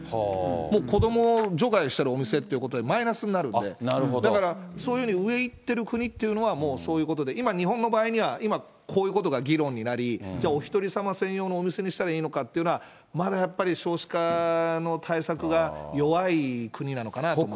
もう子どもを除外しているお店ということでマイナスになるんで、だからそういうふうに、上いってる国っていうのはもうそういうことで、今、日本の場合には、今、こういうことが議論になり、お一人様専用のお店にしたらいいのかっていうのは、まだやっぱり少子化の対策が弱い国なのかなと思います。